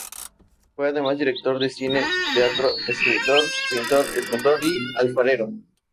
Fue además director de cine y teatro, escritor, pintor, escultor y alfarero.